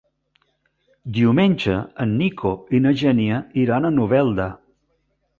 Diumenge en Nico i na Xènia iran a Novelda.